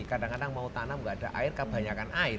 kadang kadang mau tanam nggak ada air kebanyakan air